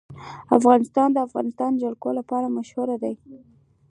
افغانستان د د افغانستان جلکو لپاره مشهور دی.